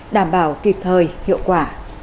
đảm bảo kịp thời hiệu quả